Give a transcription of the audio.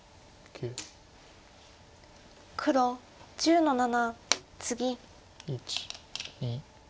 黒１０の七ツギ。